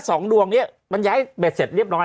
สองดวงเนี้ยมันย้ายเบ็ดเสร็จเรียบร้อย